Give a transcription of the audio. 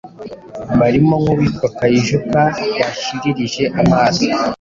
barimo nk’uwitwa Kayijuka bashiririje amaso.